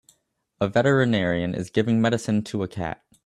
A Veterinarian is giving medicine to a cat